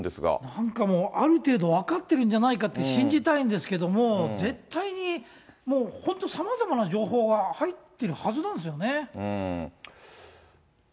なんかもう、ある程度分かってるんじゃないかって、信じたいんですけど、絶対にもう、本当、さまざまな情報が入ってるはずなんですよね。